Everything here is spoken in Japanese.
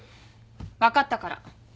分かったから。